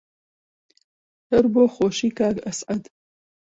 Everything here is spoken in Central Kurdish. هەر بۆ خۆشی کاک ئەسعەد